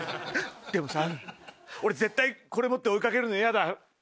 でもさ俺絶対これ持って追い掛けるのヤダ。